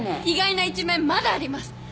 意外な一面まだあります。